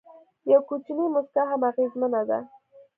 یو کوچنی موسکا هم اغېزمنه ده.